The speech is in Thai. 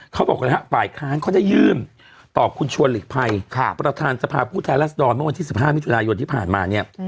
เขาบอกเลยฮะฝ่ายค้านเขาได้ยื่นต่อคุณชวนหลีกภัยประธานสภาพผู้แทนรัศดรเมื่อวันที่๑๕มิถุนายนที่ผ่านมาเนี่ย